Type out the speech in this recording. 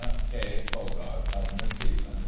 K. Boggart, of New Zealand.